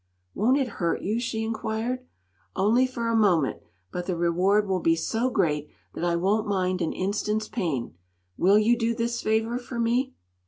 "Won't it hurt you?" she inquired. "Only for a moment; but the reward will be so great that I won't mind an instant's pain. Will you do this favor for me?"